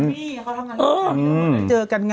เขาทำอย่างงั้น